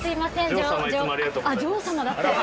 あっ「女王様」だって。